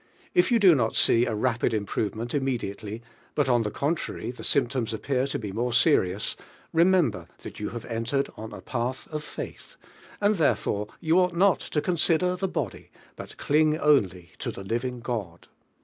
If you do no't see a rapid improvement inl rneslhl I cly. hut on the ronlrarv the symp toms appear to he more serious, remem ber that you have entered on a path of faith , and therefore you ought not to con sider the Body, but cling only to the liv ing God.